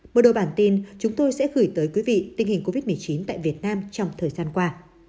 mở đầu bản tin chúng tôi sẽ gửi tới quý vị tình hình covid một mươi chín tại việt nam trong thời gian qua